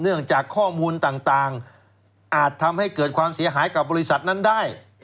เนื่องจากข้อมูลต่างอาจทำให้เกิดความเสียหายกับบริษัทนั้นได้